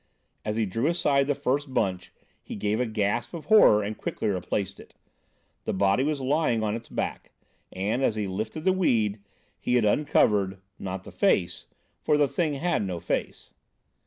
As he drew aside the first bunch, be gave a gasp of horror and quickly replaced it. The body was lying on its back, and, as he lifted the weed he had uncovered—not the face, for the thing had no face.